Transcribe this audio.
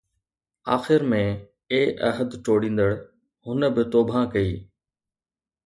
آخر ۾، اي عهد ٽوڙيندڙ، هن به توبه ڪئي